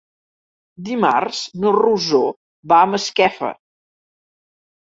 Dimarts na Rosó va a Masquefa.